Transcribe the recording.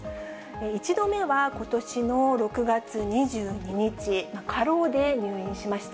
１度目はことしの６月２２日、過労で入院しました。